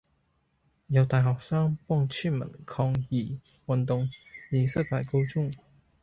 有大學生幫村民抗議。運動以失敗告終